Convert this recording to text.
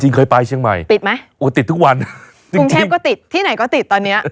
จริงเคยไปเชียงใหม่ติดทุกวันจริงปรุงเทพก็ติดที่ไหนก็ติดตอนนี้